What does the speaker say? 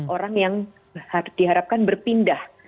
orang yang diharapkan berpindah